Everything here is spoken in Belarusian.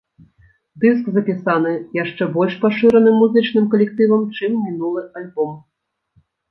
Дыск запісаны яшчэ больш пашыраным музычным калектывам, чым мінулы альбом.